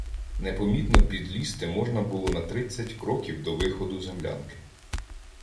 Непомітно підлізти можна було на тридцять кроків до виходу землянки.